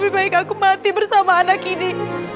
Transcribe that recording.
lebih baik aku mati bersama anak ini